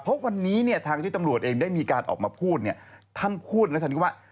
เพราะวันนี้เนี่ยทางที่ตำรวจเองได้มีการออกมาพูดเนี่ยท่านพูดแล้วตอนนี้ว่า